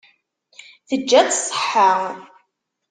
Teǧǧa-tt ṣṣeḥḥa.